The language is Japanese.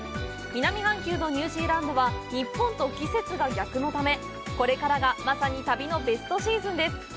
南半球のニュージーランドは、日本と季節が逆のため、これからがまさに旅のベストシーズンです。